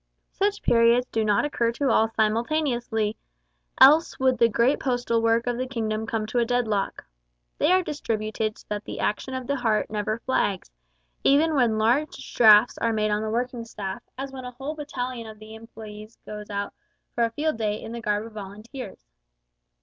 Such periods do not occur to all simultaneously, else would the great postal work of the kingdom come to a dead lock. They are distributed so that the action of the heart never flags, even when large drafts are made on the working staff, as when a whole battalion of the employes goes out for a field day in the garb of Volunteers.